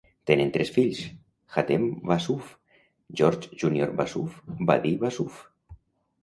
Tenen tres fills: Hatem Wassouf, George Junior Wassouf, Wadie Wassouf.